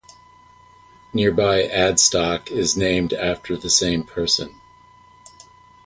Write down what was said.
Nearby Adstock is named after the same person.